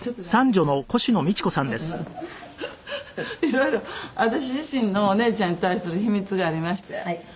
色々私自身のお姉ちゃんに対する秘密がありまして。